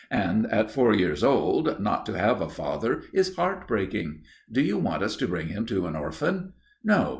And at four years old not to have a father is heart breaking. Do you want us to bring him up an orphan? No.